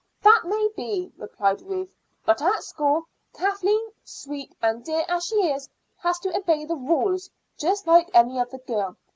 "That may be," replied Ruth; "but at school Kathleen, sweet and dear as she is, has to obey the rules just like any other girl.